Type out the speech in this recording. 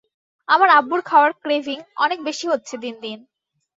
আমার আব্বুর খাওয়ার ক্রেভিং অনেক বেশি হচ্ছে দিন দিন।